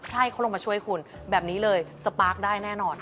ใช่เขาลงมาช่วยคุณแบบนี้เลยสปาร์คได้แน่นอน